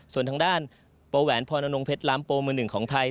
ส่วนทางด้านโปแหวนพรนงเพชรล้ามโปมือหนึ่งของไทย